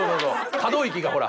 可動域がほら。